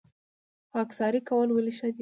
خاکساري کول ولې ښه دي؟